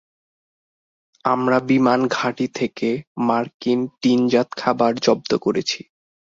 আমরা বিমান ঘাঁটি থেকে মার্কিন টিনজাত খাবার জব্দ করেছি।